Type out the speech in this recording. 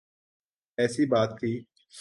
ایسی بات تھی۔